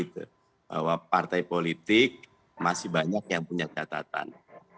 bahwa partai politik masih banyak yang punya catatan